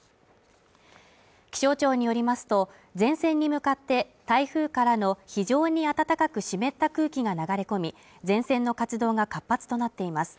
気象庁によりますと、前線に向かって、台風からの非常に暖かく湿った空気が流れ込み、前線の活動が活発となっています。